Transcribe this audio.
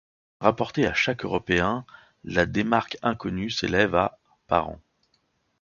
Rapporté à chaque européen, la démarque inconnue s’élève à par an.